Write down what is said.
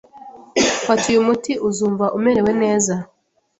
Fata uyu muti, uzumva umerewe neza.